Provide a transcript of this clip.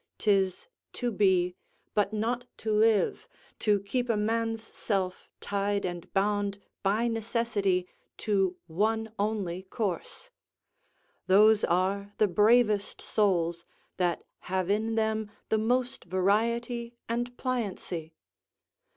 'Tis to be, but not to live, to keep a man's self tied and bound by necessity to one only course; those are the bravest souls that have in them the most variety and pliancy.